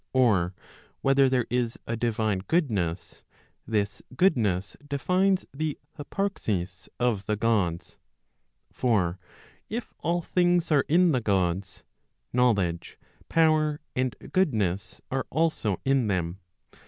Or whether there is a divine goodness, this goodness defines the hyparxis of th§ Gods. For if all things are in the Gods, knowledge, power, and goodness are also in them.